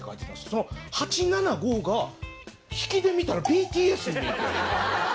その「８７５」が引きで見たら「ＢＴＳ」に見えて。